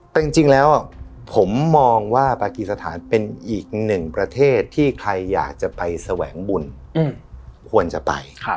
แต่จริงแล้วผมมองว่าปากีสถานเป็นอีกหนึ่งประเทศที่ใครอยากจะไปแสวงบุญควรจะไป